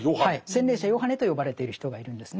洗礼者ヨハネと呼ばれている人がいるんですね。